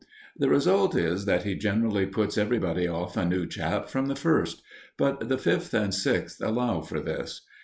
The result is that he generally puts everybody off a new chap from the first; but the Fifth and Sixth allow for this.